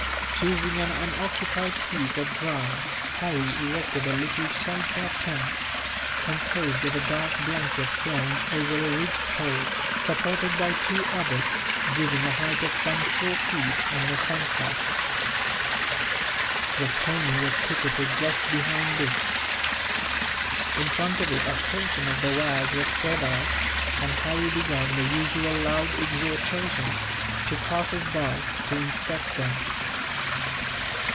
Choosing an unoccupied piece of ground, Harry erected a little shelter tent; composed of a dark blanket thrown over a ridge pole, supported by two others, giving a height of some four feet, in the centre. The pony was picketed just behind this. In front of it a portion of the wares was spread out, and Harry began the usual loud exhortations, to passers by, to inspect them.